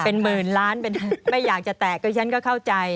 เป็นหมื่นล้านเป็นไม่อยากจะแตะก็ฉันก็เข้าใจ